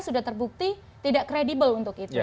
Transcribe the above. sudah terbukti tidak kredibel untuk itu